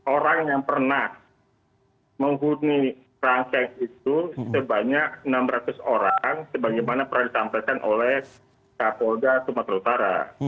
orang yang pernah menghuni kerangkeng itu sebanyak enam ratus orang sebagaimana pernah disampaikan oleh kapolda sumatera utara